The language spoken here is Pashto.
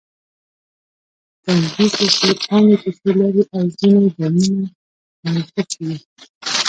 تنګې کوڅې لري او ځینې بامونه سره نښتي دي.